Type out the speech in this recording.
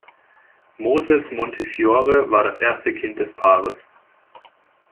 Moses Montefiore war das erste Kind des Paares.